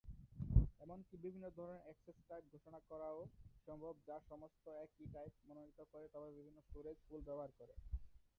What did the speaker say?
এমনকি বিভিন্ন ধরণের অ্যাক্সেস টাইপ ঘোষণা করাও সম্ভব যা সমস্ত একই টাইপ মনোনীত করে তবে বিভিন্ন স্টোরেজ পুল ব্যবহার করে।